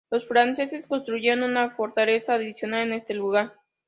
Los franceses construyeron una fortaleza adicional en ese lugar.